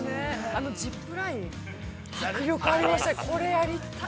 あのジップライン、迫力ありました。